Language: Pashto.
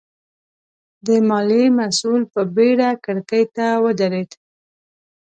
د ماليې مسوول په بېړه کړکۍ ته ودرېد.